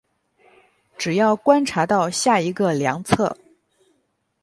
只要观察到下一个量测。